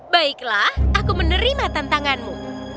baiklah aku menerima tantanganmu